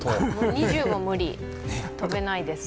二重も無理、跳べないです。